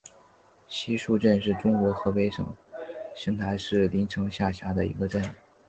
西竖镇是中国河北省邢台市临城县下辖的一个镇。